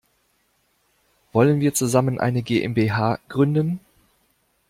Wollen wir zusammen eine GmbH gründen?